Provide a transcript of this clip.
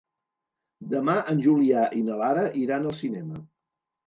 Demà en Julià i na Lara iran al cinema.